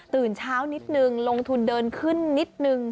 ตื่นเช้านิดนึงลงทุนเดินขึ้นนิดนึง